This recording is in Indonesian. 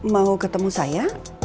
mau ketemu saya